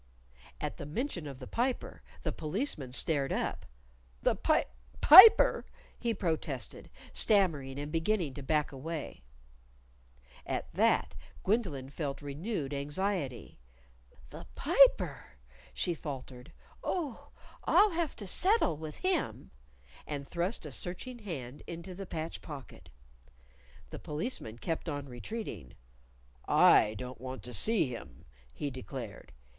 At the mention of the Piper, the Policeman stared up. "The Pip Piper!" he protested, stammering, and beginning to back away. At that, Gwendolyn felt renewed anxiety. "The Piper!" she faltered. "Oh, I'll have to settle with him." And thrust a searching hand into the patch pocket. The Policeman kept on retreating. "I don't want to see him," he declared.